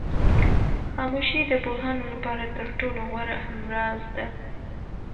خاموشي د پوهانو لپاره تر ټولو غوره همراز ده.